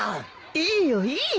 いいよいいよ。